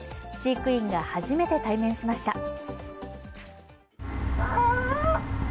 飼育員が初めて対面しました。